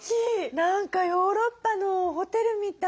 何かヨーロッパのホテルみたい。